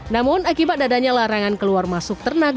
namun akibat dadanya larangan keluar masuk ternak